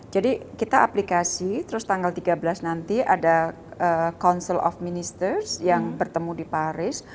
jadi kita aplikasi terus tanggal tiga belas nanti ada council of ministers yang bertemu di paris